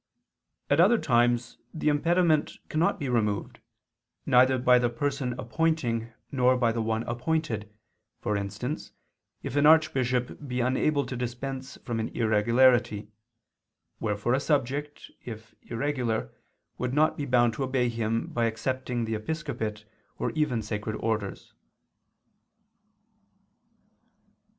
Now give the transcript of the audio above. At other times the impediment cannot be removed, neither by the person appointing nor by the one appointed for instance, if an archbishop be unable to dispense from an irregularity; wherefore a subject, if irregular, would not be bound to obey him by accepting the episcopate or even sacred orders.